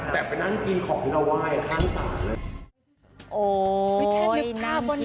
แต่ไปนั่งกินของที่เราไหว้ข้างศาล